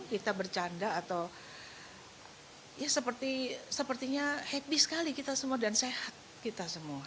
kita bercanda atau ya sepertinya happy sekali kita semua dan sehat kita semua